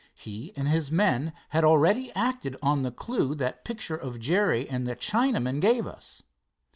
He and his men had already acted on the clew that picture of Jerry and the Chinaman gave us.